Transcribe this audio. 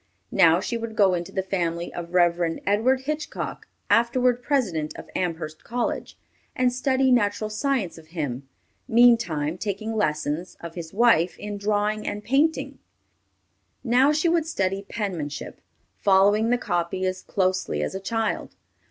Now she would go into the family of Rev. Edward Hitchcock, afterward president of Amherst College, and study natural science of him, meantime taking lessons, of his wife in drawing and painting. Now she would study penmanship, following the copy as closely as a child.